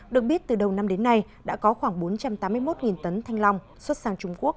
được biết từ đầu năm đến nay đã có khoảng bốn trăm tám mươi một tấn thanh long xuất sang trung quốc